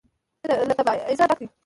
له تبعيضه ډک دى.